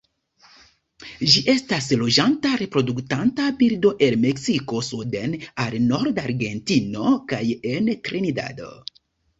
Ĝi estas loĝanta reproduktanta birdo el Meksiko suden al norda Argentino kaj en Trinidado.